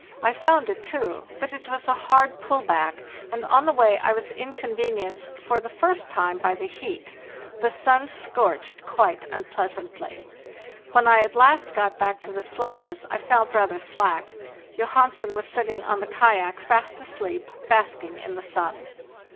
I found it, too, but it was a hard pull back, and on the way I was inconvenienced for the first time by the heat; the sun scorched quite unpleasantly. When I at last got back to the sledges I felt rather slack; Johan sen was sitting on the kayak fast asleep, basking in the sun.